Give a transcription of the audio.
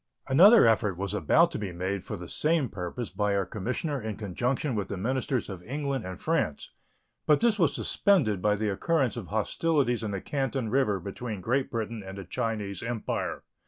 Another effort was about to be made for the same purpose by our commissioner in conjunction with the ministers of England and France, but this was suspended by the occurrence of hostilities in the Canton River between Great Britain and the Chinese Empire.